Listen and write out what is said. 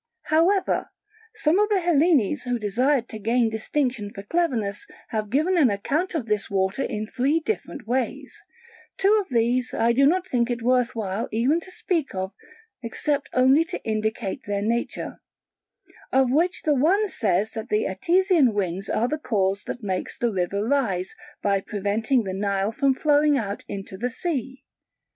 However some of the Hellenes who desired to gain distinction for cleverness have given an account of this water in three different ways: two of these I do not think it worth while even to speak of except only to indicate their nature; of which the one says that the Etesian Winds are the cause that makes the river rise, by preventing the Nile from flowing out into the sea.